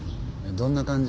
どんな感じ？